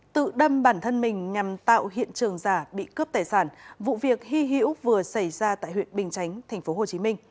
tự đâm bản thân mình nhằm tạo hiện trường giả bị cướp tài sản vụ việc hy hữu vừa xảy ra tại huyện bình chánh tp hcm